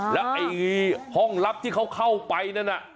แล้วไอ้ห้องลับที่เขาเข้าไปนั่นน่ะ